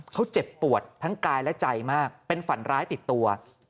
เขาเจ็บปวดทั้งกายและใจมากเป็นฝันร้ายติดตัว